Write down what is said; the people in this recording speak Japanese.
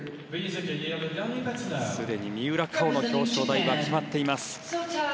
すでに三浦佳生の表彰台は決まっています。